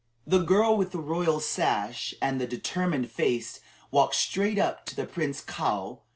The girl with the royal sash and the determined face walked straight up to the Prince Kaou.